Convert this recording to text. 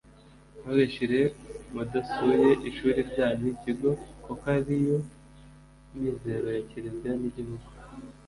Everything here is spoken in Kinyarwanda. ntugashire mudasuye ishuri ryanyu (ikigo) kuko ariyo mizero ya kiliziya n’igihugu.